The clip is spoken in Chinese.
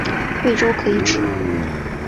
贵州可以指